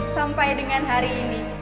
sampai dengan hari ini